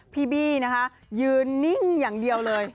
บี้นะคะยืนนิ่งอย่างเดียวเลย